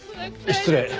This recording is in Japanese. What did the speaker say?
失礼。